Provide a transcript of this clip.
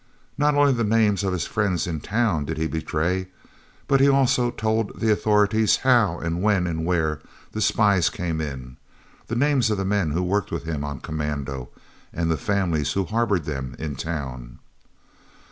Not only the names of his friends in town did he betray, but he also told the authorities how and when and where the spies came in, the names of the men who worked with him on commando, and the families who harboured them in town.